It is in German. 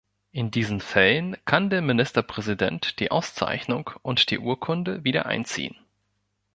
In diesen Fällen kann der Ministerpräsident die Auszeichnung und die Urkunde wieder einziehen.